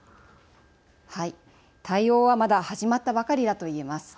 対応は、まだ始まったばかりだと言えます。